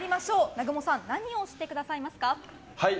南雲さん何をしてくださいますか。